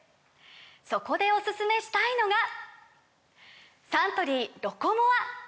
そこでおすすめしたいのがサントリー「ロコモア」！